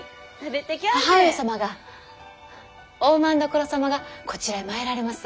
母上様が大政所様がこちらへ参られます。